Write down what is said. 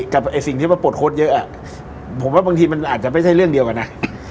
กับไอ้สิ่งที่มันปลดโค้ดเยอะผมว่าบางทีมันอาจจะไม่ใช่เรื่องเดียวกันนะ